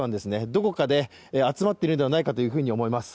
どこかで集まっているのではないかというふうに思います。